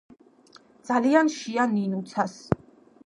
ძალიან შია ნინუცას